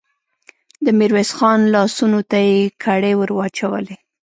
د ميرويس خان لاسونو ته يې کړۍ ور واچولې.